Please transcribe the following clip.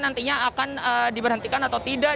nantinya akan diberhentikan atau tidak